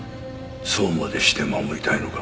そうまでして守りたいのか？